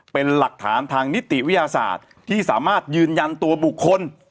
เป็นหลักฐานทางนิติวิทยาศาสตร์ที่สามารถยืนยันตัวบุคคล